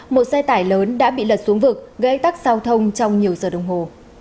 một xe tải lớn đã bị lật xuống vực gây tắc giao thông trong nhiều giờ đồng hồ